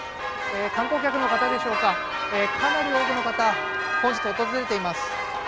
観光客の方でしょうか、かなり多くの方本日、訪れています。